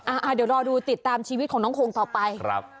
อ่าเดี๋ยวรอดูติดตามชีวิตของน้องโค้งต่อไปครับ